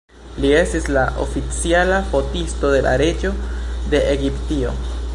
Li estis la oficiala fotisto de la reĝo de Egiptio.